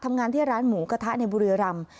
ทำงานที่ร้านหมูกระทะในบุรีรำ